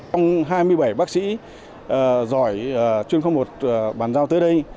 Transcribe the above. trong hai mươi bảy bác sĩ giỏi chuyên không một bàn giao tới đây